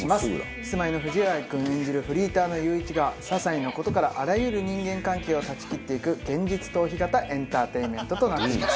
キスマイの藤ヶ谷君演じるフリーターの裕一が些細な事からあらゆる人間関係を断ち切っていく現実逃避型エンターテインメントとなっています。